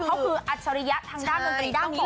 เขาคืออัชริยะทางด้านมนตรีด้านนี้เลย